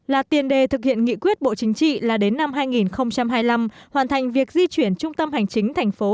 là tiền đề thực hiện nghị quyết bộ chính trị là đến năm hai nghìn hai mươi năm hoàn thành việc di chuyển trung tâm hành chính thành phố